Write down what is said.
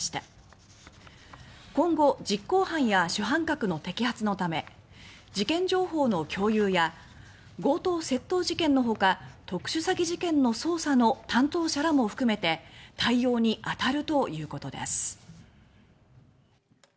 今後、実行犯や主犯格の摘発のため事件情報の共有や強盗、窃盗事件の他特殊詐欺事件の捜査の担当者らも含めて対応にあたるということです。